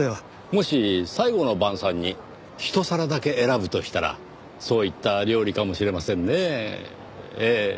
もし最後の晩餐に一皿だけ選ぶとしたらそういった料理かもしれませんねぇええ。